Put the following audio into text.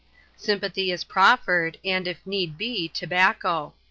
Sympathy is prof fered, and, if need be, tobacco.